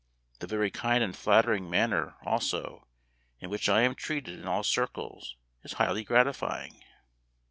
The very kind and flattering manner, also, in which I am treated in all circles is highly gratifying."